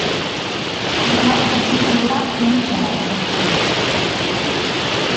La data di chiusura è incerta.